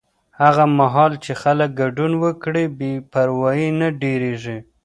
هغه مهال چې خلک ګډون وکړي، بې پروایي نه ډېرېږي.